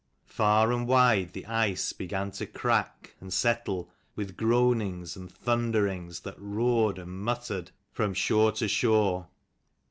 Far and wide the ice began to crack and settle, with groanings and thunderings that roared and muttered from 274 shore to shore.